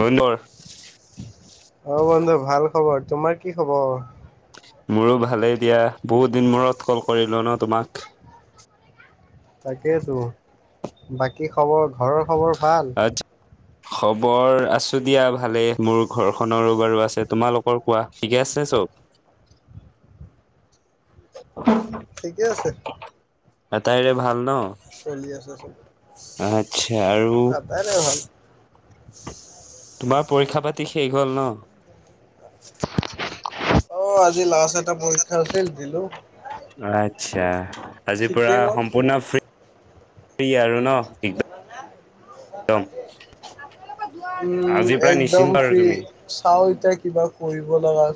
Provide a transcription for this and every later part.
বনৰ [unintelligible] অ' বন্ধু ভাল খবৰ। তোমাৰ কি খবৰ? মোৰো ভালেই দিয়া। বহুত দিন মূৰত কল কৰিলো ন তোমাক তাকেইেতো বাকী খবৰ ঘৰৰ খবৰ ভাল। আজ খবৰ আছো দিয়া ভালে। মোৰ ঘৰখনৰো বাৰু আছে তোমালোকৰ কোৱা ঠিকে আছে। চ উ উ [unintelligible] ঠিকে আছে। আটাইৰে ভাল। ন চলি আছে চব আচ্ছা আৰু আটাইৰে ভাল। [inaudible] মাৰ পৰীক্ষা পাতি শেষ হ'ল ন। অ' আজি লাষ্ট এটা পৰীক্ষা আছিল দিলো। আচ্ছা। আজিৰ পুৰা সম্পূৰ্ণ ফ্ৰী। আৰু কি ন চ একদম [unintelligible] উম আজিৰ পৰা নিশ্চিন্ত একদম আৰু ফ্ৰী তুমি চাও। এয়া কিবা কৰিব লগা।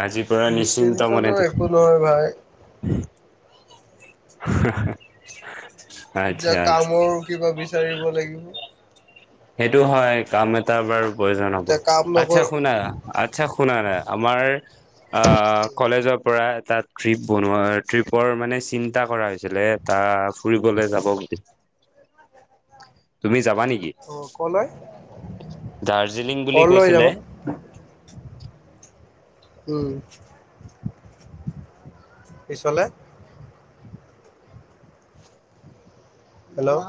আজি পৰা নিশ্চিন্ত নিশ্চিন্ততো মনে। একো নহয় ভাই [unintelligible] এতিয়া আচ্ছা কামৰ কিবা বিচাৰিব লাগিব। সেইটো হয় কাম এটা বাৰু প্ৰয়োজন হ'ব এতিয়া কাম আচ্ছা নকৰ শুনা আচ্ছা শুনা না। আমাৰ কলেজৰ পৰা তাত ট্ৰিপ বনোৱা ট্ৰিপৰ মানে চিন্তা কৰা হৈছিলে। তা ফুৰিবলে যাব বুলি। [inaudible] তুমি যাবা নেকি? অ' কলৈ দাৰ্জিলিং বুলি কলৈ যাব? কৈছিলে [inaudible] উম পিছলে। হেল্ল'!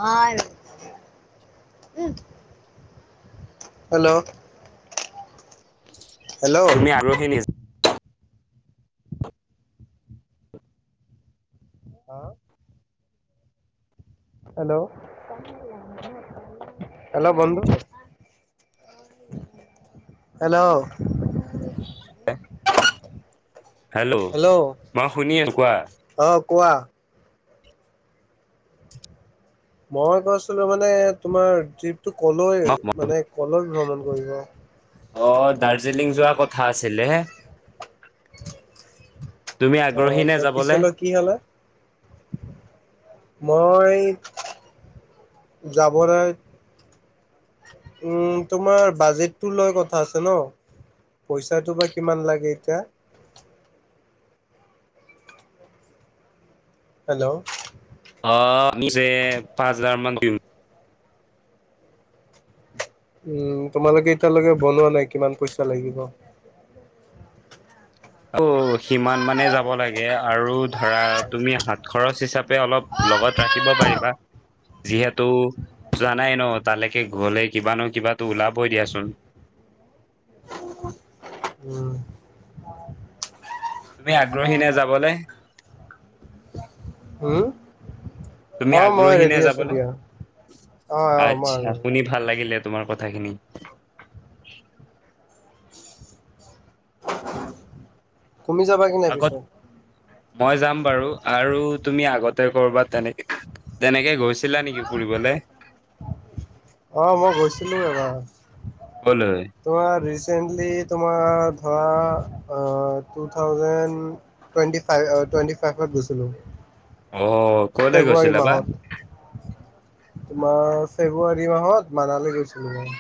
উম। হেল্ল'! তুমি হেল্ল' [unintelligible] হাঁ? হেল্ল' হেল্ল' বন্ধু। হেল্ল'! হেল্ল' মই শুনি আছো কোৱা। অ কোৱা। মই কৈছিলো মানে তোমাৰ ট্ৰিপ টো কলৈ মানে ক'লৈ ভ্ৰমণ কৰিব? অ' দাৰ্জিলিং যোৱা কথা আছিলে। তুমি আহ আগ্ৰহী নে ত যাবলে? পিছেলৈ কি হলে? মই যাবলৈ উম তোমাৰ বাজেটটো লৈ কথা আছে ন? পইচাটো বা কিমান লাগে এতিয়া। হেল্ল'! অ' নিজে পাঁচ হাজাৰ মান দিম। উম তোমালোকে এতিয়ালৈকে বনোৱা নাই কিমান পইচা লাগিব? অ' সিমান মানে যাব লাগে আৰু ধৰা তুমি হাত খৰচ হিচাপে অলপ লগত ৰাখিব পাৰিবা। যিহেতু জানাই ন তালৈকে গ'লে কিবা ন কিবা ওলাবই দিয়াচোন। [inaudible] তুমি আগ্ৰহী নে যাবলে? হম তুমি অ মই আগ্ৰহী নে ৰেডি আছো যাবলে? দিয়া অ অ মই আচ্ছা, শুনি ভাল লাগিলে। তোমাৰ কথাখিনি। তুমি যাবা কি নাই আগত পিছে? মই যাম বাৰু আৰু তুমি আগতে ক'ৰবাত তেনেকে তেনেকে গৈছিলা নেকি ফুৰিবলে? [inaudible] অ মই গৈছিলো এবাৰ কলৈ তোমাৰ ৰিচেন্টলি তোমাৰ ধৰা two thousand twenty five twenty ফাইভত গৈছিলোঁ। অ ক'লে ফেব্ৰুৱাৰী গৈছিলা বা? মাহত তোমাৰ ফেব্ৰুৱাৰী মাহত মানালী গৈছিলো মই।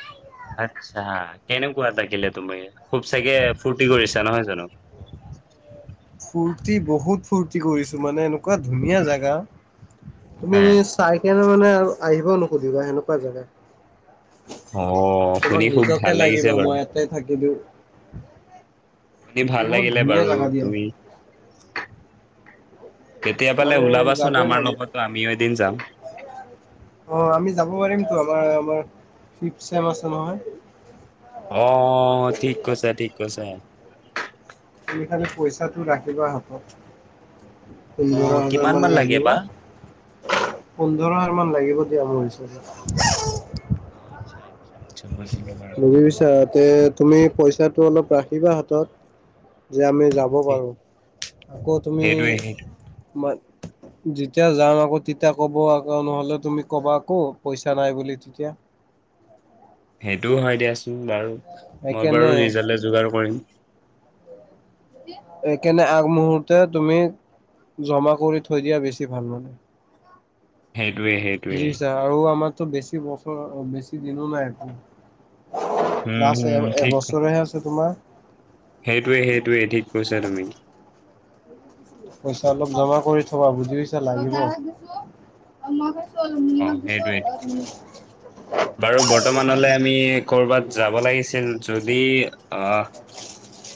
আচ্ছা কেনেকুৱা লাগিলে তুমি খুব চাগে ফূৰ্তি কৰিছা নহয় জানো? ফুৰ্তি বহুত ফুৰ্তি কৰিছো মানে এনেকুৱা ধুনীয়া জাগা, তুমি চাই কিনি মানে আৰু আহিবও নুখুজিবা সেনেকুৱা জাগা। অ', তোমাক শুনি খুব নিজকে ভাল লাগিব লাগিছে মই বাৰু। ইয়াতে থাকি দিওঁ, শুনি ভাল বহুত লাগিলে ধুনীয়া বাৰু জাগা দিয়া। তুমি কেতিয়াবালে মানে ওলাবাচোন যাবই আমাৰ লাগে লগতো আমিও এদিন যাম। অ আমি যাব পাৰিমটো আমাৰ আমাৰ ফিফ্ট চেম আছে নহয়। অ ঠিক কৈছা ঠিক কৈছা। তুমি খালি পইচাটো ৰাখিবা হাতত। পোন্ধৰ অ', হাজাৰ কিমান মান লাগে লাগিব বা? পোন্ধৰ হাজাৰ মান লাগিব দিয়া মোৰ হিচাপত। অ', আচ্ছা বুজিলো বাৰু বুজি পছা তে তুমি পইচাটো অলপ ৰাখিবা হাতত যে আমি যাব সেই- পাৰোঁ আকৌ তুমি সেইটোৱে সেইটো যেতিয়া যাম আকৌ তেতিয়া ক'ব আকৌ নহ'লে তুমি ক'বা আকৌ পইচা নাই বুলি তেতিয়া, সেইটোও হয় দিয়াচোন বাৰু মই সেইকাৰণে বাৰু ৰিজাল্ট যোগাৰ কৰিম [unintelligible] এইকাৰনে আগমুহূৰ্ত তুমি জমা কৰি থৈ দিয়া বেছি ভাল মানে সেইটোৱে সেইটোৱে বুজি পাইছা আৰু আমাৰতো বেছি বছৰ বেছি দিনো নাই একো উম লাষ্ট হম এ ঠিক এবছৰেহে আছে তোমাৰ, সেইটোৱে সেইটোৱে ঠিক কৈছা তুমি পইচা অলপ জমা কৰি থবা বুজি পাইছা লাগিব অ সেইটোৱে বাৰু বৰ্তমানলে আমি কৰ'বাত যাব লাগিছিল, যদি আহ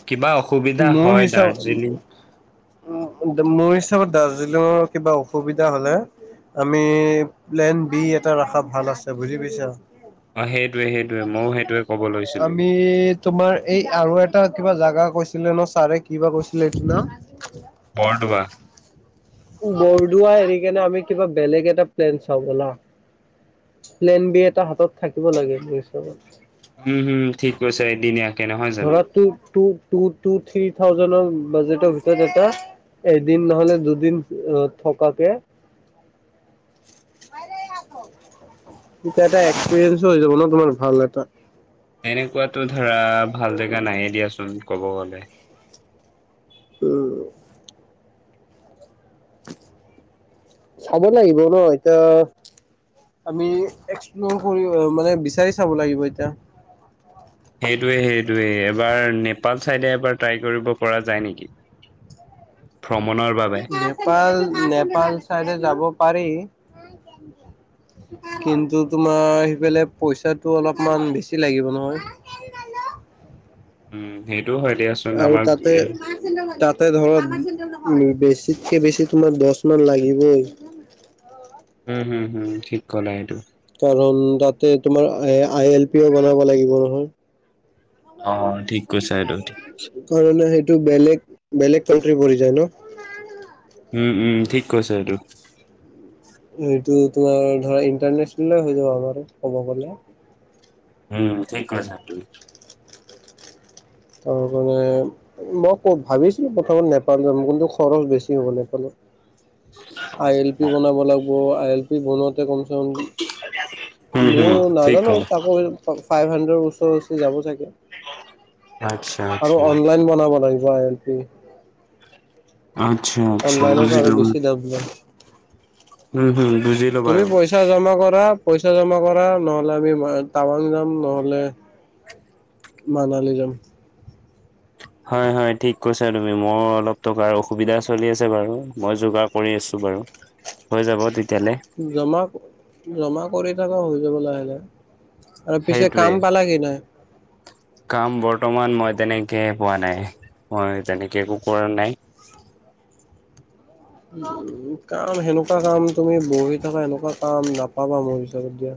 কিবা অসুবিধা মোৰ হয় হিচাপ দাৰ্জিলিং উ মোৰ হিচাপত দাৰ্জিলিঙত কিবা অসুবিধা হ'লে আমি প্লেন বি এটা ৰখা ভাল আছে বুজি পাইছো অ সেইটোৱে সেইটোৱে ময়ো সেইটোৱে ক'ব লৈছিলো আমি তোমাৰ এই আৰু এটা কিবা জাগা কৈছিলে ন ছাৰে কিবা কৈছিলে সিদিনা? বৰদোৱা বৰদোৱা হেৰি কেনে আমি কিবা বেলেগ এটা প্লেন চাও বলা, প্লেন বি এটা হাতত থাকিব লাগে মোৰ হিচাপত। উম হম ঠিক কৈছে এদিনীয়া ধৰা ট ট থ্ৰী থাজেডৰ [unintelligible] বাজেটৰ ভিতৰত এটা এদিন নহলে দুদিন থকাকে মানে হাকো এইটো এটা এক্সপৰিয়েঞ্চ হৈ যাব ন তোমাৰ ভাল এটা এনেকুৱাতো ধৰা ভাল জেগা নাইয়ে দিয়াচোন কব গলে উম চাব লাগিব ন এতিয়া আমি এক্সপ্লৰ কৰি মানে বিচাৰি চাব লাগিব এতিয়া সেইটোৱে সেইটোৱে এবাৰ নেপাল চাইডে এবাৰ ট্ৰাই কৰিব পৰা যায় নেকি উ [inaudible] ভ্ৰমণৰ বাবে নেপাল নেপাল চাইডে যাব পাৰি কিন্তু তোমাৰ সিফালে পইচাটো অলপমান বেছি লাগিব ব নহয় উম সেই আৰু তাতে তাতে ধৰক বেছিতকে বেছি তোমাৰ দচ মান লাগিবই উম হোম হোম ঠিক কলা এইটো কাৰণ তাতে তোমাৰ এ আই এল পিও বনাব লাগিব নহয় অ ঠিক কৈছা এইটো ঠিক কাৰণে সেইটো বেলেগ বেলেগ কাউন্ট্ৰী পৰি যায় ন উম উম ঠিক কৈছে সেইটো সেইটো টো আৱ ধৰা ইন্টাৰনেচনেলে হৈ যাব পাৰে ক'ব গলে উম ঠিক কৈছা তাৰ কাৰনে মই ক ভাবিছিলো প্ৰথমত নেপাল যাম কিন্তু খৰচ বেছি হ'ব নেপালত আই এল পি বনাব লাগব আই এল পি বনাও কমছে উম কম হম মও ঠিক নাজানো ক'লা তাকো ফাইভ হানড্ৰেদ ওচৰা ওচৰি যাব চাগে আচ্ছা আৰু আচ্ছা অনলাইন বনাব লাগিব আই এল পি আচ্ছা আচ্ছা অনলাইনত আৰু বুজিলো বেছি দাম লয়। উম হোম তুমি পইচা জমা কৰা পইচা জমা কৰা নহ'লে আমি টাৱাং যাম নহ'লে মানালি যাম হয় হয় ঠিক কৈছা তুমি মোৰ অলপ টকাৰ অসুবিধা চলি আছে বাৰু মই যোগাৰ কৰি আছো। বাৰু হৈ যাব তে জমা জমা কৰি থাকা হৈ যাব লাহে লাহে আৰু পিছে সেইটোৱে কাম পালা কি নাই কাম বৰ্তমান মই তেনেকে পোৱা নাই মই তেনেকে একো কৰা নাই। [inaudible] উম কাম সেনেকুৱা কাম তুমি বহি থকা সেনেকুৱা কাম নাপাবা মোৰ হিচাপত যে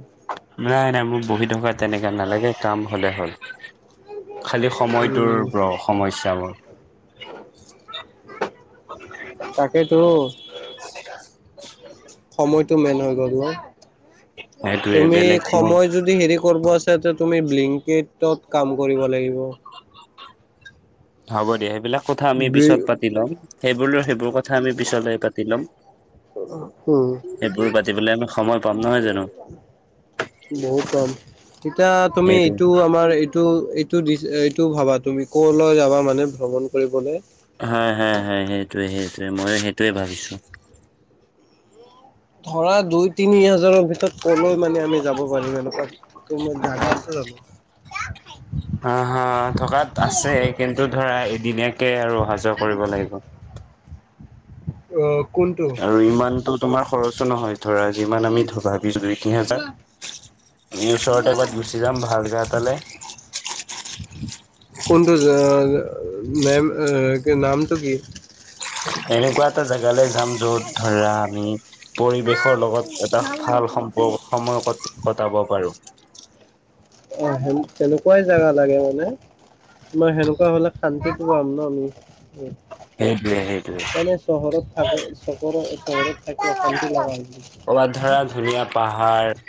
নাই নাই মোক বহি থকা তেনেকা নালাগে কাম হ'লে হ'ল। খালী সময়টোৰ উম, সমস্যাবোৰ তাকে তো সময়টো মেন হৈ গ'ল ন সেইটোয়ে তুমি বেলেগ মোৰ সময় যদি হেৰি কৰিব আ যদি তুমি বিলিংকিত ত কাম কৰিব লাগিব হ'ব দিয়া সেইবিলাক কথা আমি ব্লি পিছত পাতি লম সেইবোৰ সেইবোৰ কথা আমি পিছলে পাতি ল'ম উম সেইবোৰ পাতিবলে আমি সময় পাম নহয় জানো বহুত কাম তেতিয়া তুমি সেইটোৱে এইটো আমাৰ এইটো এইটো দি টো ভাবা তুমি ক'লৈ যাবা মানে ভ্ৰমণ কৰিবলে হা হে হে সেইটোৱে সেইটোৱে মই সেইটোৱে ভাবিছোঁ ধৰা দুই তিনি হাজাৰৰ ভিতৰত কলৈ মানে আমি যাব পাৰিম এনেকুৱা জাগা আছে জানো হা হা থকাত আছে কিন্তু ধৰা এদিনীয়াকে আৰু অহা যোৱা কৰিব লাগিব [inaudible] অঁ আৰু ইমানতো তোমাৰ খৰচো নহয় ধৰা যিমান আমি ভাবিছোঁ দুই তিনিহাজাৰ এই ওচৰতে এবাত গুচি যাম ভালকে জেগাতে [inaudible] কোনটো নেম নামটো কি এনেকুৱা এটা জেগালৈ যাম য'ত ধৰা আমি পৰিৱেশৰ লগত এটা ভাল সম্পৰ্ক সময় ক কটাব পাৰো অ সে তেনেকুৱাই জোগা লাগে মানে। মই সেনেকুৱা হলে শান্তিত পোৱা পাম ন আমি সেইটোৱে সেইটোৱে মানে চহৰত থাকে চহৰ চহৰত থাকিল কবাত ধৰা ধুনীয়া পাহাৰ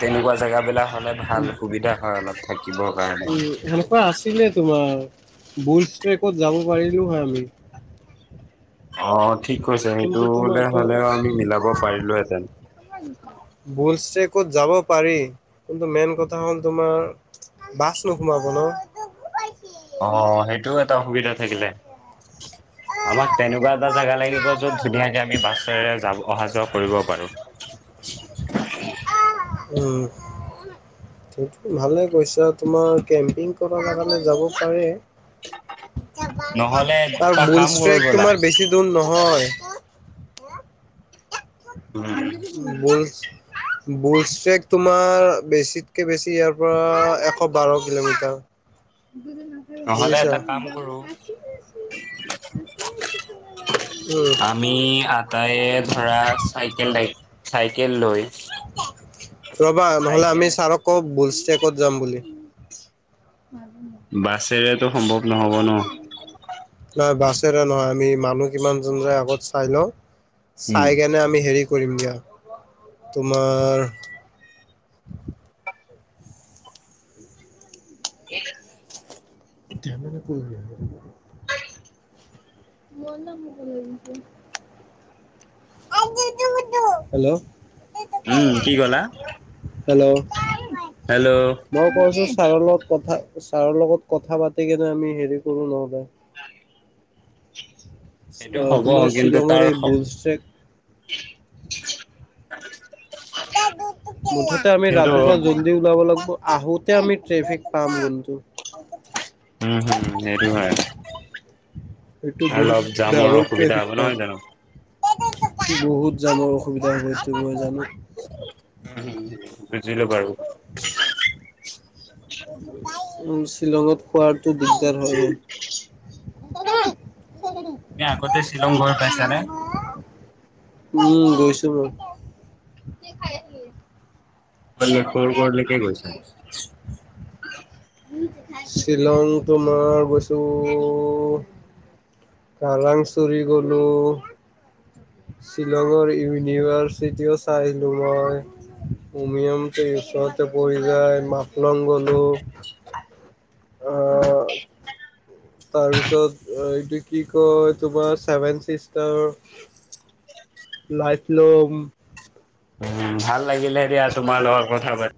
তেনেকুৱা জেগাবিলাক হলে উম ভাল সুবিধা হয় অলপ থাকিবৰ কাৰণে আছিলে তোমাৰ বোচ প্ৰেকত যাব পাৰিলো হয় আমি অ ঠিক কৈছে সেইটো কিন্তু তোমাৰ হ'লেও আমি মিলাব পাৰিলোহেঁতেন বোচছে ক'ত যাব পাৰি কিন্তু মেইন কথা হ'ল তোমাৰ বাছ নোপোৱা মোনো ন অ সেইটোও এটা অ সুবিধা থাকিলে [inaudible] আমাক তেনেকুৱা এটা জোগা লাগিব যত ধুনীয়াকে আমি বাছেৰে যাব অহা যোৱা কৰিব পাৰো উম সেইটো ভালে কৈছা তোমাৰ কেম্পিং কৰ লগে যাব পাৰে। নহ'লে আৰু এটা কাম কৰো বুলষ্ট্ৰেক ব'লা, তোমাৰ বেছি দূৰ নহয়। উম। বুল বুল‌ষ্ট্ৰেক চেক তোমাৰ বেছিতকে বেছি ইয়াৰ পৰা এশ বাৰ কিলোমিটাৰ। হয়। [unintelligible] নহলে এটা কাম কৰো। উম। আমি আটা এ ধৰা চাইকেল তাই। চাইকেল লৈ। ৰবা নহলে চাইকেল আমি ছাৰকো কৌ বুল টেপ্টকত যাম বুলি। বাছেৰেতো সম্ভৱ নহ'ব ন। নহয় বাছেৰে নহয় আমি মানুহ কিমান জন যায় আগত চাই লওঁ উম, চাই কেনে আমি হেৰি। কৰিম দিয়া তোমাৰ। [unintelligible] তেনেনে কৰি। মোৰ ন মগনন্তু। [unintelligible] ঐ ইয়ো মোৰো হেল্ল। উম, কি ক'লা? হেল্ল' হেল্ল' মই কৈছো ছাৰ লগ। কথা ছাৰৰ লগত কথা পাতি কেনে আমি হেৰি কৰো নহলে। সেইটো অ হব তোমাৰ কিন্তু শ্বিলঙৰ তাৰ। এই বুল ট্ৰেক তে তো মুঠতে আমি কিন্তু ৰাতিপুৱা জল্দি উওলাব লাগিব। আহোতে আমি ট্ৰেফিক পাম কিন্তু। উম উম সেইটো হয়। এইটো বহুত অলপ জামৰ ডাঙৰ অসুবিধা হ'ব ট্ৰেফিক নহয় জানো? পাম্প। বহুত জানৰ অসুবিধা হৈছ মই জানো। উ বুজিলো বাৰু টিঁ উ শ্বিলঙত খোৱাৰ। হয়ে। [unintelligible] তুমি আগতে শ্বিলং গৈ পাইছানে। উম গৈছো বাও। বলে কৰ কৰলে কেই গৈছে। শ্বিলংটো তোমাৰ গৈছোঁ। কাৰাং চুৰি গলো। শ্বিলঙৰ ইউনিভাৰ্চিটি অ চাই আহিলো মই। উমিয়মটো ওচৰতে পৰি যায় মাফলং গ'লোঁ। অ। তাৰপিছত এইটো কি কয় তোমাৰ চছেভেন ছিষ্টাৰ। লাইফ লম। উ ভাল লাগিলে দিয়া তোমাৰ লগত কথা পাত-